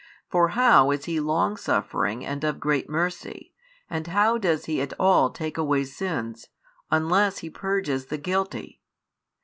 For how is He longsuffering and of great mercy and how does He at all take away sins, unless He purges the guilty?